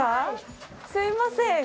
すいません。